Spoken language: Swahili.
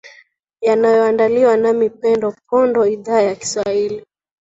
yanayo andaliwa nami pendo pondo idhaa ya kiswahili